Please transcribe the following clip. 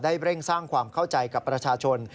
เร่งสร้างความเข้าใจกับประชาชน